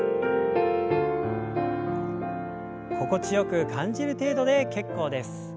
心地よく感じる程度で結構です。